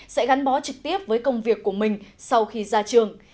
sẽ gắn bó trực tiếp với công việc của mình sau khi ra trường